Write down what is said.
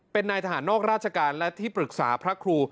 เป็นนายทหารนอกราชการและที่ปรึกษาพระครู